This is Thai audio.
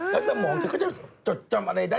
แล้วสมองเธอก็จะจดจำอะไรได้